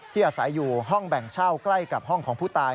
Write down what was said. อาศัยอยู่ห้องแบ่งเช่าใกล้กับห้องของผู้ตาย